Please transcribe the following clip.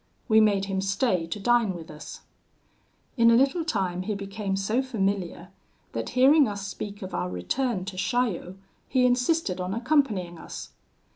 We made him stay to dine with us. "In a little time he became so familiar, that hearing us speak of our return to Chaillot, he insisted on accompanying us.